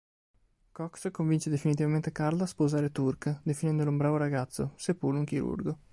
Cox convince definitivamente Carla a sposare Turk definendolo un bravo ragazzo, seppur un chirurgo.